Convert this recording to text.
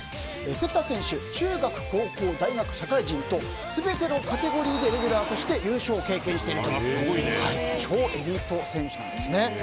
関田選手中学、高校、大学、社会人と全てのカテゴリーでレギュラーとして優勝を経験しているという超エリート選手なんですね。